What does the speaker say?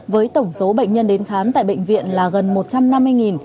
với tổng số bệnh nhân đến khám tại bệnh viện là gần một trăm năm mươi